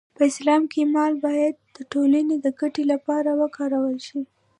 په اسلام کې مال باید د ټولنې د ګټې لپاره وکارول شي.